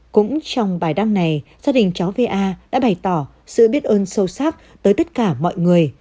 cũng trong bài đăng này gia đình cháu va đã bày tỏ sự biết ơn sâu sắc tới tất cả mọi người